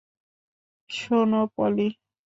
শোনো, পলি।